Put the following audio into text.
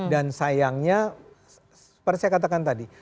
dan sayangnya seperti saya katakan tadi